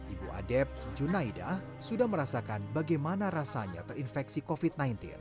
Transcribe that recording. ibu adep junaidah sudah merasakan bagaimana rasanya terinfeksi covid sembilan belas